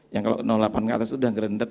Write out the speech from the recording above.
yang kalau delapan ke atas sudah gerendet